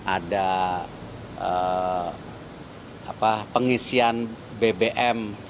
ada pengisian bbm